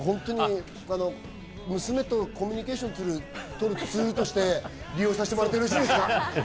娘とコミュニケーションを取るツールとして利用させてもらってるんです。